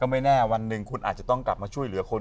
ไม่แน่วันหนึ่งคุณอาจจะต้องกลับมาช่วยเหลือคน